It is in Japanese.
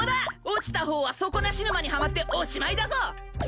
落ちた方は底なし沼にはまっておしまいだぞ。